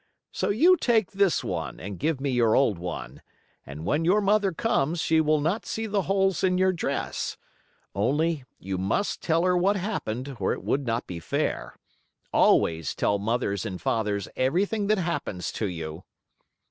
"So you take this one, and give me your old one. And when your mother comes she will not see the holes in your dress. Only you must tell her what happened, or it would not be fair. Always tell mothers and fathers everything that happens to you."